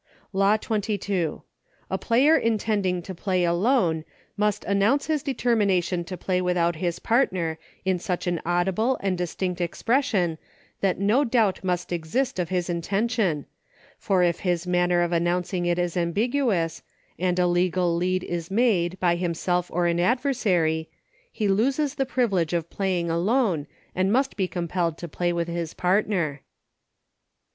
Law XXII. A player intending to Play Alone must announce his determination to play without his partner in such an audible and distinct expression that no doubt must exist of his in tention, for if his manner of announcing it is ambiguous, and a legal lead is made, by him self or an adversary, he loses the privilege of Playing Alone and must be compelled to play with his partner.